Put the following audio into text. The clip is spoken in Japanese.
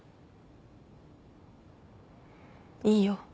いいよ。